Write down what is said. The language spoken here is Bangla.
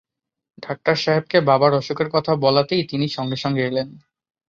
ডাক্তার সাহেবকে বাবার অসুখের কথা বলাতেই তিনি সঙ্গে-সঙ্গে এলেন।